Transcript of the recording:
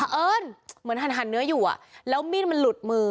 เอิญเหมือนหันเนื้ออยู่แล้วมีดมันหลุดมือ